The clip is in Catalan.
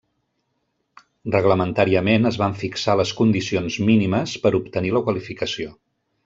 Reglamentàriament es van fixar les condicions mínimes per obtenir la qualificació.